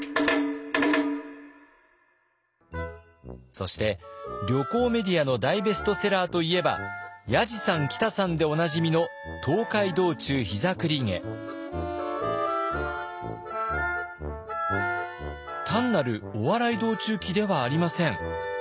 そして旅行メディアの大ベストセラーといえばやじさんきたさんでおなじみの単なるお笑い道中記ではありません。